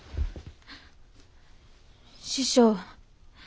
師匠